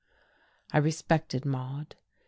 I respected Maude.